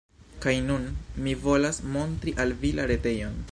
Kaj nun, mi volas montri al vi la retejon!